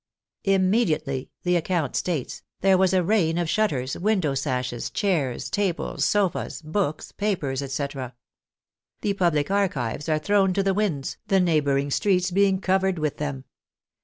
" Immediately," the account states, " there was a rain of shutters, window sashes, chairs, tables, sofas, books, papers, etc." The public archives are thrown to the winds, the neighboring streets being covered with them.